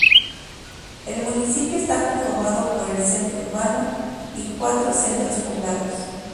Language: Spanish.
El municipio está conformado por el Centro Urbano y cuatro Centros Poblados.